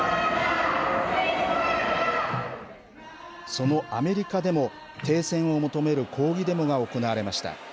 そのアメリカでも停戦を求める抗議デモが行われました。